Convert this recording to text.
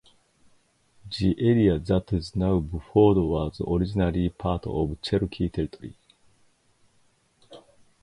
The area that is now Buford was originally part of Cherokee territory.